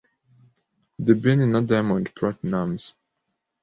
The Ben na Diamond Platnumz